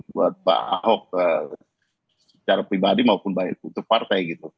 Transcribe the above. buat pak ahok secara pribadi maupun baik untuk partai gitu